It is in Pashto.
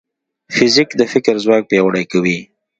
فزیک د فکر ځواک پیاوړی کوي.